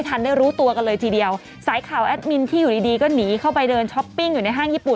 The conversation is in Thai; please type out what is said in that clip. ถ้ารู้หน้ากากอาณาไม่แบบ